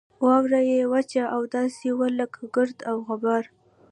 واوره یې وچه او داسې وه لکه ګرد او غبار.